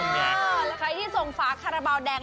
แล้วใครที่ส่งฝาคาราบาลแดง